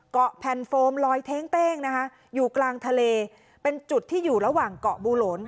แผ่นโฟมลอยเท้งเต้งนะคะอยู่กลางทะเลเป็นจุดที่อยู่ระหว่างเกาะบูหลน